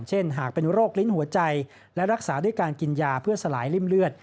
เช่นหากเป็นโรคลิ้นหัวใจและรักษาด้วยการกินยาเพื่อสลายริ่มเลือด